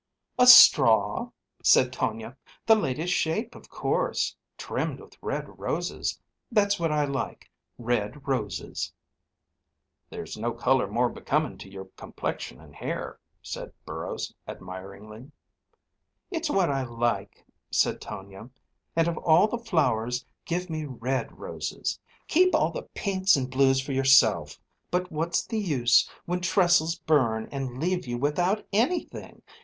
"A straw," said Tonia; "the latest shape, of course; trimmed with red roses. That's what I like—red roses." "There's no color more becoming to your complexion and hair," said Burrows, admiringly. "It's what I like," said Tonia. "And of all the flowers, give me red roses. Keep all the pinks and blues for yourself. But what's the use, when trestles burn and leave you without anything?